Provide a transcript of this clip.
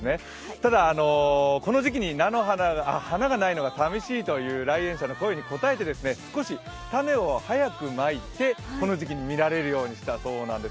ただこの時期に花がないのが寂しいという来園者の声に応えて少し種を早くまいて、この時期に見られるようにしたそうなんです。